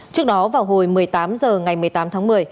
trước đó vào hồi một mươi tám h ngày một mươi tám tháng một mươi